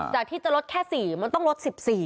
จากที่จะลดแค่๔มันต้องลด๑๔